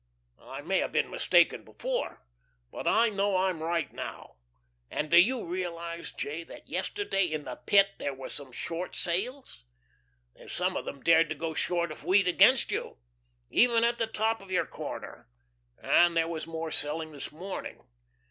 I may have been mistaken before, but I know I'm right now. And do you realise, J., that yesterday in the Pit there were some short sales? There's some of them dared to go short of wheat against you even at the very top of your corner and there was more selling this morning.